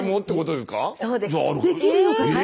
できるのかしら。